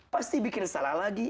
pasti bikin salah lagi